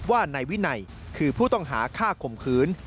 ว่าในวินัยคือผู้ต้องหาค่าคมคืน